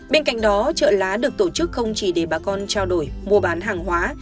bên cạnh đó trợ lá được tổ chức không chỉ để bà con trao đổi mua bán hàng hóa